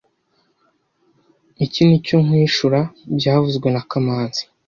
Iki nicyo nkwishura byavuzwe na kamanzi